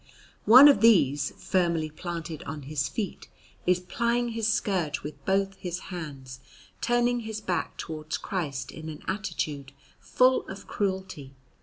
One of these, firmly planted on his feet, is plying his scourge with both his hands, turning his back towards Christ in an attitude full of cruelty.